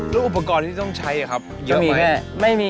แล้วอุปกรณ์ที่ต้องใช้ครับเยอะไหม